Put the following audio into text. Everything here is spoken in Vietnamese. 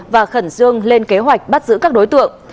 và khẩn trương lên kế hoạch bắt giữ các đối tượng